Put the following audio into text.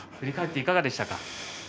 いかがでしたか？